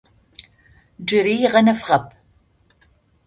Джыри гъэнэфагъэп.